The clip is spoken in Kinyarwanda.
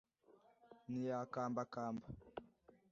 ntiyakambakamba